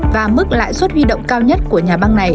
và mức lãi suất huy động cao nhất của nhà băng này